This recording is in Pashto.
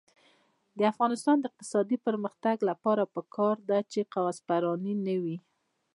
د افغانستان د اقتصادي پرمختګ لپاره پکار ده چې کاغذ پراني نه وي.